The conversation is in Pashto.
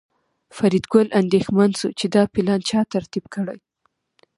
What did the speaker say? فریدګل اندېښمن شو چې دا پلان چا ترتیب کړی